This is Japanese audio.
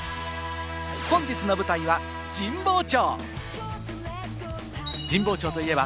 本日の舞台は神保町。